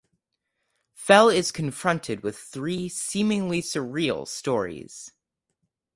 Fell is confronted with three seemingly surreal stories.